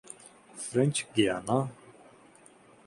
French Guiana